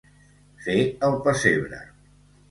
Fer el pessebre.